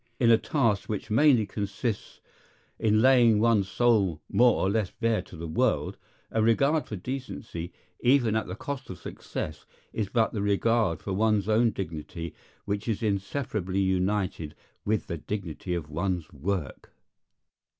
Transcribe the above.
In a task which mainly consists in laying one's soul more or less bare to the world, a regard for decency, even at the cost of success, is but the regard for one's own dignity which is inseparably united with the dignity of one's work.